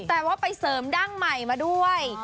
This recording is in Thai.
แต่ว่าไปเสริมดั้งใหม่มาด้วย